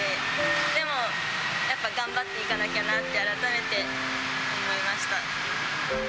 でもやっぱ頑張っていかなきゃなって、改めて思いました。